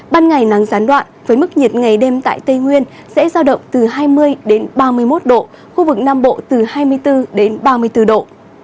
ban ngày nắng gián đoạn với mức nhiệt ngày đêm tại tây nguyên sẽ giao động từ hai mươi ba mươi một độ khu vực nam bộ từ hai mươi bốn đến ba mươi bốn độ